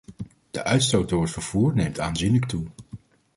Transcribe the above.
De uitstoot door het vervoer neemt aanzienlijk toe.